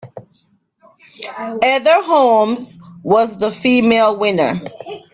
Heather Holmes was the female winner.